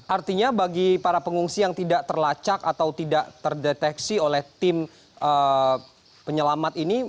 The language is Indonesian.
artinya bagi para pengungsi yang tidak terlacak atau tidak terdeteksi oleh tim penyelamat ini